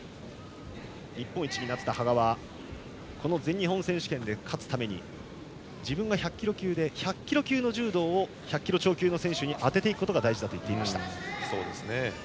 日本一になった羽賀はこの全日本選手権で勝つために自分が１００キロ級で１００キロ級の柔道を１００キロ超級の選手に当てていくことが大事だと言っていました。